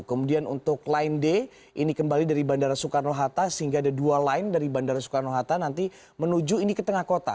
kemudian untuk line d ini kembali dari bandara soekarno hatta sehingga ada dua line dari bandara soekarno hatta nanti menuju ini ke tengah kota